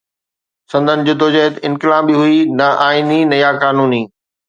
سندن جدوجهد انقلابي هئي نه آئيني يا قانوني.